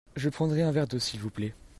Je prendrai un verre d'eau s'il vous plait.